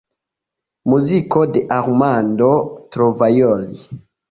Muziko de Armando Trovajoli.